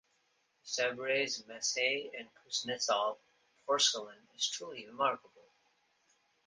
The Sevres, Meissen and Kuznetzov porcelain is truly remarkable.